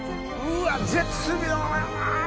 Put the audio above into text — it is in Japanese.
うわ絶妙やな！